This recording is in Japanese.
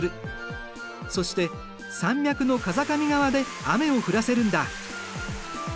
そして山脈の風上側で雨を降らせるんだ。